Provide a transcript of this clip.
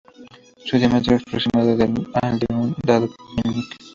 Su diámetro es aproximado al de un dedo meñique.